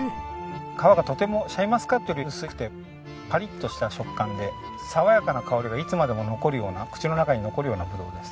皮がとてもシャインマスカットより薄くてパリッとした食感で爽やかな香りがいつまでも残るような口の中に残るようなぶどうです。